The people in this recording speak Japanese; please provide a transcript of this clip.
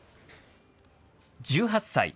１８歳。